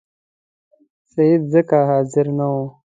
سید ځکه حاضر نه وو.